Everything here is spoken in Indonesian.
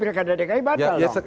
pertanyaan saya yang pdkdki batal loh